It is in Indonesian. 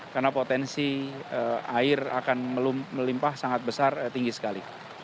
karena potensi air akan melimpah sangat besar tinggi sekali